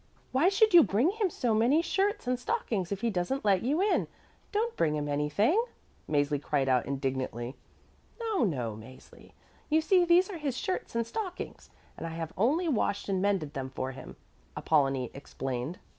"Why should you bring him so many shirts and stockings if he doesn't let you in? Don't bring him anything," Mäzli cried out indignantly. "No, no, Mäzli. You see, these are his shirts and stockings, and I have only washed and mended them for him," Apollonie explained.